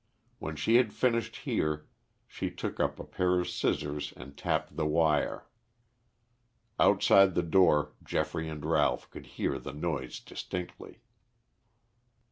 When she had finished here she took up a pair of scissors and tapped the wire. Outside the door Geoffrey and Ralph could hear the noise distinctly.